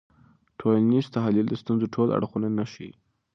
ټولنیز تحلیل د ستونزو ټول اړخونه نه ښيي.